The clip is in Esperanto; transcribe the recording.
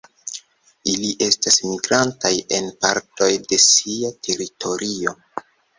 Ili estas migrantaj en partoj de sia teritorio.